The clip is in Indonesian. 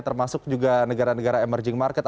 termasuk juga negara negara emerging market